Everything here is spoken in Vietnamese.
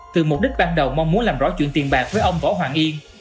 từ mục đích ban đầu mong muốn làm rõ chuyện tiền bạc với ông võ hoàng yên